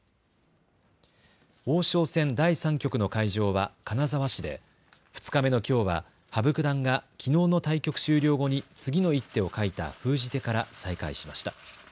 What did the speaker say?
王将戦第３局の会場は金沢市で２日目のきょうは羽生九段がきのうの対局終了後に次の一手を書いた封じ手から再開しました。